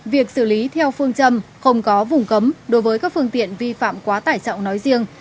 việc xử lý theo phương châm không có vùng cấm đối với các phương tiện vi phạm quá tải trọng nói riêng